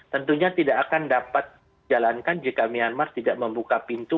tentunya tidak akan dapat jalankan jika myanmar tidak membuka pintu